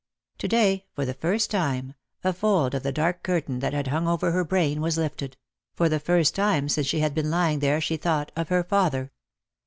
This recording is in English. To day, for the first time, a fold of the dark curtain that had hung over her brain was lifted — for the first time since she had been lying there she thought of her father.